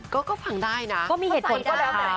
ก็ฟังได้นะเพราะมีเหตุผลกับเขา